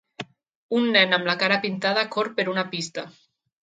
Un nen amb la cara pintada corre per una pista.